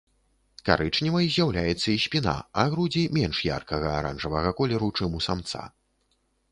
Карычневай з'яўляецца і спіна, а грудзі менш яркага аранжавага колеру, чым у самца.